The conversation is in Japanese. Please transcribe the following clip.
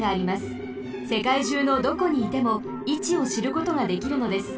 せかいじゅうのどこにいてもいちをしることができるのです。